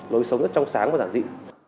lối sống rất trong sáng và giản dị